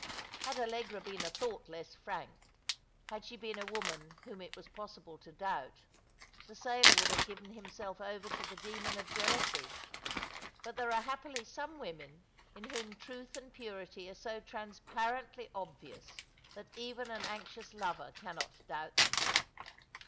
! Had Allegra been a thought less frank — had she been a woman whom it was possible to doubt — the sailor would have given himself over to the demon of jealousy ; but there are happily some women in whom truth and purity are so transparently obvious tbat even an anxious lover cannot doubt them.